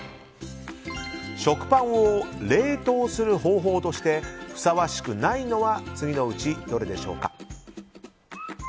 食パンを冷凍する方法としてふさわしくないのは次のうち、どれでしょうか。